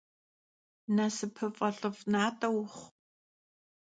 Nasıpıf'e - lh'ıf' nat'e vuxhu!